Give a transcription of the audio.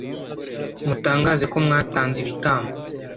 mutangaze ko mwatanze ibitambo